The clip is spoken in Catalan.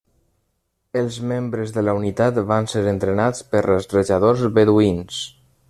Els membres de la unitat van ser entrenats per rastrejadors beduïns.